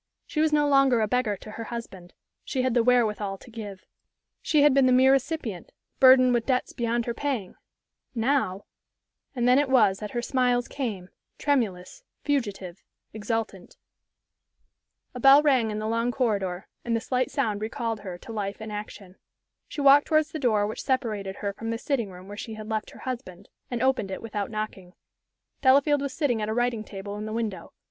She was no longer a beggar to her husband; she had the wherewithal to give. She had been the mere recipient, burdened with debts beyond her paying; now And then it was that her smiles came tremluous, fugitive, exultant. A bell rang in the long corridor, and the slight sound recalled her to life and action. She walked towards the door which separated her from the sitting room where she had left her husband, and opened it without knocking. Delafield was sitting at a writing table in the window.